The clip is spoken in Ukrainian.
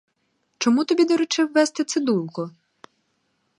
Чому тобі доручив везти цидулку?